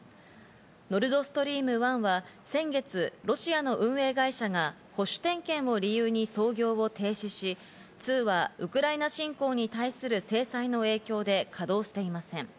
ノルドストリーム１は先月、ロシアの運営会社が保守点検を理由に操業を停止し、２はウクライナ侵攻に対する制裁の影響で稼動していません。